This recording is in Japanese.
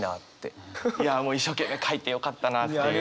いや一生懸命書いてよかったなっていう